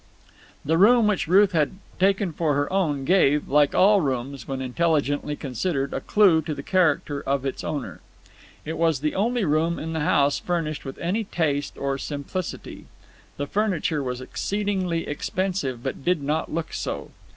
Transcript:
The room which Ruth had taken for her own gave, like all rooms when intelligently considered, a clue to the character of its owner. It was the only room in the house furnished with any taste or simplicity. The furniture was exceedingly expensive, but did not look so.